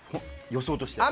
予想として。